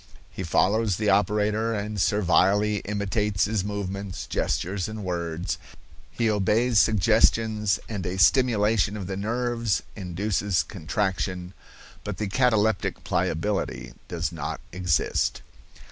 He follows the operator and servilely imitates his movements, gestures and words; he obeys suggestions, and a stimulation of the nerves induces contraction, but the cataleptic pliability does not exist."